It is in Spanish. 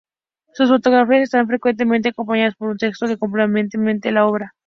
Sus fotografías están frecuentemente acompañadas por un texto que complementa la obra.